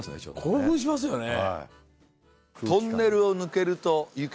興奮しますよね。